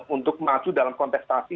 untuk maju dalam kontestasi